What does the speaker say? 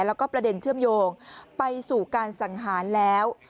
แล้วก็ประเด็นเชื่อมโยงไปสู่การสังหารแล้ว